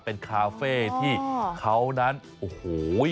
เป็นคาเฟ่ที่เขานั้นโอ้โห